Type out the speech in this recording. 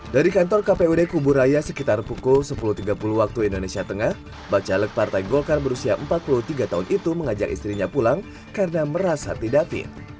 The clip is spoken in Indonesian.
dari kantor kpud kuburaya sekitar pukul sepuluh tiga puluh waktu indonesia tengah bacalek partai golkar berusia empat puluh tiga tahun itu mengajak istrinya pulang karena merasa tidak fit